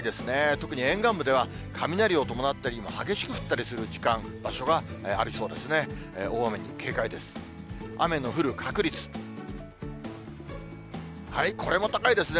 特に沿岸部では、雷を伴ったり、激しく降ったりする時間、場所がありそうですね。